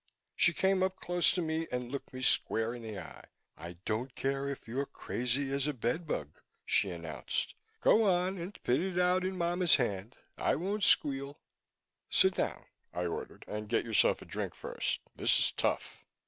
She came up close to me and looked me square in the eye. "I don't care if you're crazy as a bed bug," she announced. "Go on and 'pit it out in momma's hand. I won't squeal." "Sit down!" I ordered, "and get yourself a drink first. This is tough."